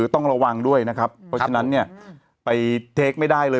ต้องระวังด้วยนะครับเพราะฉะนั้นเนี่ยไปเทคไม่ได้เลย